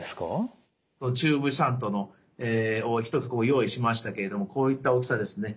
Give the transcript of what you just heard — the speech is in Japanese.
チューブシャントを１つ用意しましたけれどもこういった大きさですね。